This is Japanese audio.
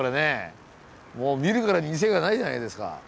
もう見るからに店がないじゃないですか。